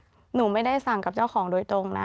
หนูไม่ได้สั่งกับเจ้าของโดยตรงนะ